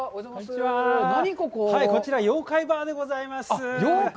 こちらは、妖怪ｂａｒでございます。